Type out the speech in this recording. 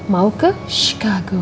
mau ke chicago